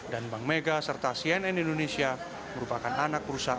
dan bank mega serta cnn indonesia merupakan uang yang lebih baik